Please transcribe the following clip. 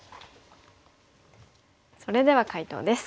それでは解答です。